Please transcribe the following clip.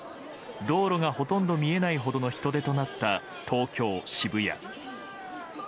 道路がほとんど見えないほどの人出となった東京・渋谷。